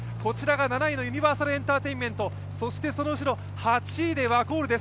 ７位のユニバーサルエンターテインメント、後ろ８位でワコールです。